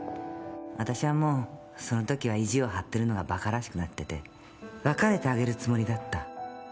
わたしはもうそのときは意地を張ってるのがバカらしくなってて別れてあげるつもりだった。